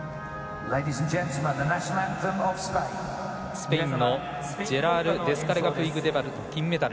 スペインのジェラール・デスカレガプイグデバル金メダル。